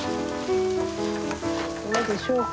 どうでしょうか？